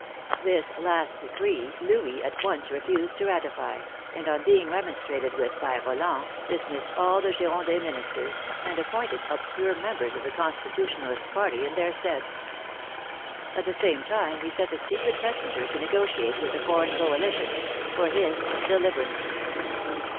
This last decree Louis at once refused to ratify, and on being remonstrated with by Roland, dismissed all the Girondin ministers, and appointed obscure members of the Con stitutionalist party in their stead. At the same time he sent a secret messenger to negotiate with the foreign coalition — for his " deliverance."